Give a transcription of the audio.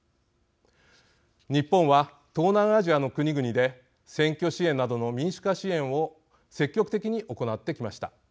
日本は、東南アジアの国々で選挙支援などの民主化支援を積極的に行ってきました。